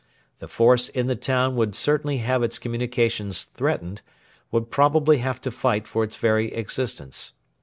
The force in the town would certainly have its communications threatened, would probably have to fight for its very existence.